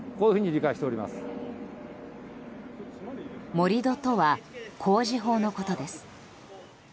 盛り土とは工事法のことです。